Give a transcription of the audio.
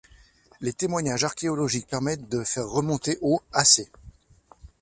Les témoignages archéologiques permettent de faire remonter au a.c.